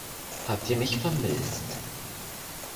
Habt ihr mich vermisst?